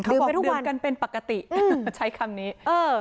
อืมเขาบอกดื่มกันเป็นปกติใช้คำนี้เออ